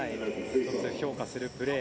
評価するプレー